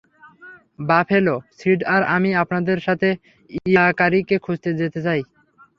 Buffalo Seed আর আমি আপনাদের সাথে ইয়াকারিকে খুঁজতে যেতে চাই।